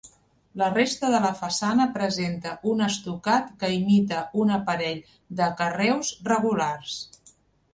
La resta de la façana presenta un estucat que imita un aparell de carreus regulars.